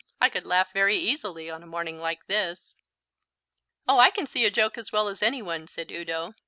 I could laugh very easily on a morning like this." "Oh, I can see a joke as well as any one," said Udo.